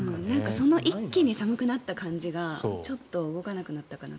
一気に寒くなった感じがちょっと動かなくなったかな。